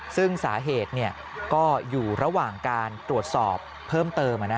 ซึ่งสาเหตุก็อยู่ระหว่างการตรวจสอบเพิ่มเติม